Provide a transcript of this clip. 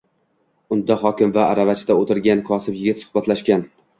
Unda hokim va aravachada oʻtirgan kosib yigit suhbatlashgan